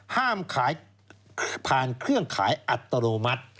ห้ามขายผ่านเครื่องขายอัตโนมัติ